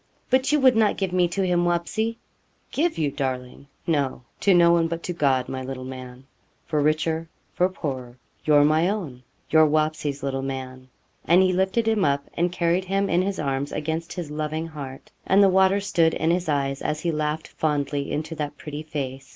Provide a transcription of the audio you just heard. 'But you would not give me to him, Wapsie?' 'Give you, darling! no to no one but to God, my little man; for richer, for poorer, you're my own your Wapsie's little man.' And he lifted him up, and carried him in his arms against his loving heart, and the water stood in his eyes, as he laughed fondly into that pretty face.